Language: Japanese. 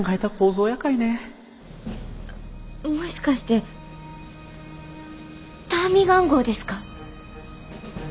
もしかしてターミガン号ですか？